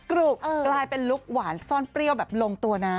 กรุบกลายเป็นลุคหวานซ่อนเปรี้ยวแบบลงตัวนะ